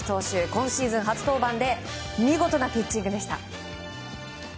今シーズン初登板で見事なピッチングでした。